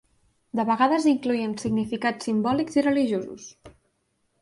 De vegades incloïen significats simbòlics i religiosos.